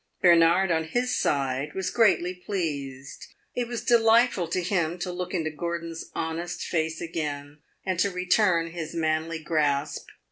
Bernard, on his side, was greatly pleased; it was delightful to him to look into Gordon's honest face again and to return his manly grasp.